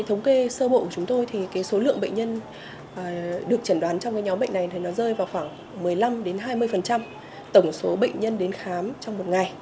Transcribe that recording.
tổng số bệnh nhân đến khám trong một ngày